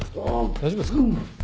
大丈夫ですか？